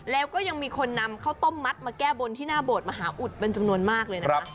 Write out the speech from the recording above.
แล้วก็ยังมีคนนำข้าวต้มมัดมาแก้บนที่หน้าโบสถมหาอุดเป็นจำนวนมากเลยนะคะ